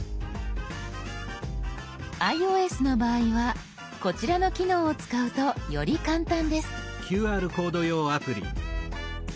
ｉＯＳの場合はこちらの機能を使うとより簡単です。